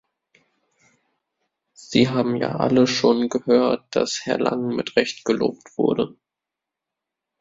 Sie haben ja alle schon gehört, dass Herr Langen mit Recht gelobt wurde.